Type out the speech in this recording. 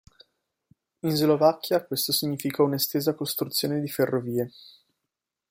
In Slovacchia, questo significò una estesa costruzione di ferrovie.